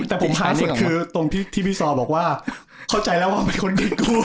แต่ผมท้ายสุดคือตรงที่พี่ซอบอกว่าเข้าใจแล้วว่าเป็นคนดีกลัว